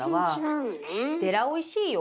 でらおいしいよ。